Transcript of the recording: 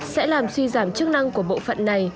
sẽ làm suy giảm chức năng của bộ phận này